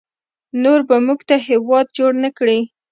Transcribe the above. نور به موږ ته هیواد جوړ نکړي